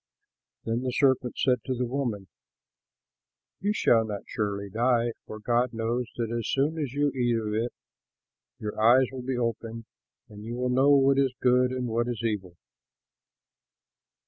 '" Then the serpent said to the woman, "You shall not surely die; for God knows that as soon as you eat of it your eyes will be opened, and you will know what is good and what is evil."